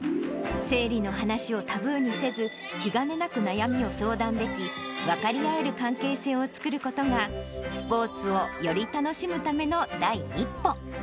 生理の話をタブーにせず、気兼ねなく悩みを相談でき、分かり合える関係性を作ることが、スポーツをより楽しむための第一歩。